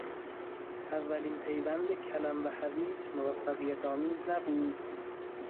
اولین پیوند کلم و هویج موفقیتآمیز نبود.